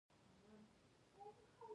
عایشه غلې ده .